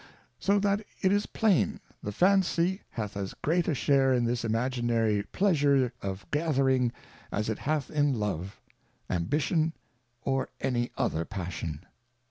So that it is plain, the Fancy hath as great a share in this imaginary Pleasure of Gathering as it hath in Love, Ambition, or any other Passion.